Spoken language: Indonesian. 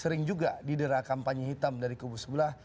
sering juga didera kampanye hitam dari kubu sebelah